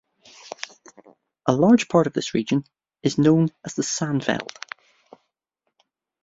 A large part of this region is known as the "Sandveld".